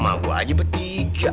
mau aja bertiga